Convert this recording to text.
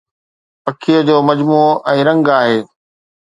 پکيءَ جو مجموعو ۽ رنگ آهي